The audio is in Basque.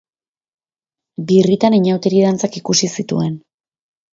Birritan inauteri-dantzak ikusi zituen.